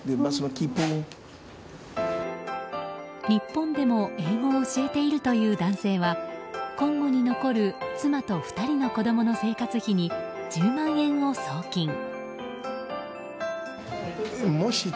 日本でも英語を教えているという男性はコンゴに残る妻と２人の子供の生活費に１０万円を送金。